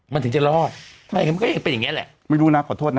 มันถึงจะรอดไม่อย่างนั้นมันก็ยังเป็นอย่างเงี้แหละไม่รู้นะขอโทษนะ